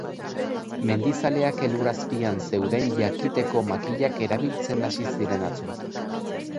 Mendizaleak elur azpian zeuden jakiteko makilak erabiltzen hasi ziren atzo.